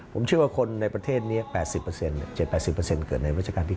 ผมเชื่อว่าคนในประเทศนี้๘๐๗๘๐เกิดในรัชกาลที่๙